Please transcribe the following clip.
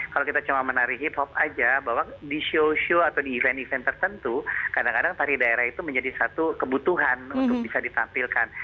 kalau kita cuma menari hip hop aja bahwa di show show atau di event event tertentu kadang kadang tari daerah itu menjadi satu kebutuhan untuk bisa ditampilkan